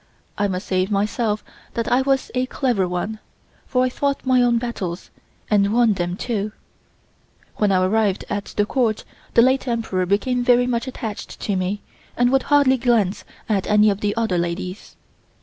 I must say myself that I was a clever one, for I fought my own battles, and won them, too. When I arrived at Court the late Emperor became very much attached to me and would hardly glance at any of the other ladies.